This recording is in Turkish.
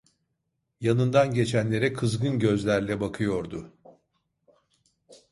Yanından geçenlere kızgın gözlerle bakıyordu.